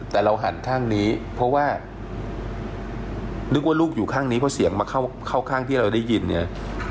แต่เราหันข้างนี้เพราะว่านึกว่าลูกอยู่ข้างนี้เพราะเสียงมาเข้าข้างที่เราได้ยินเนี่ย